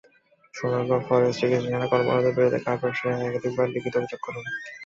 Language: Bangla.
সোনারগাঁ ফরেস্ট চেক স্টেশনের কর্মকর্তাদের বিরুদ্ধে কাঠ ব্যবসায়ীরা একাধিকবার লিখিত অভিযোগ করেন।